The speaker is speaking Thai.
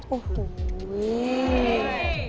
โอ้โห